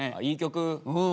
うん。